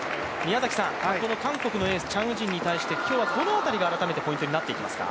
この韓国のエース、チャン・ウジンに対して今日はどの辺りが改めてポイントになってきますか？